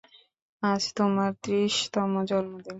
আজ তোমার ত্রিশতম জন্মদিন।